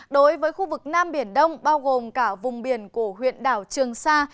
đối với khu vực nam biển đông bao gồm cả vùng biển của huyện đảo trường sa